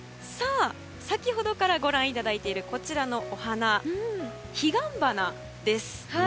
先ほどから、ご覧いただいているこちらのお花はヒガンバナです。